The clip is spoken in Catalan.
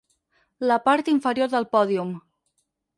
La part inferior del pòdium.